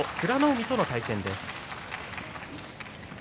海との対戦です。